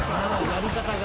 やり方が。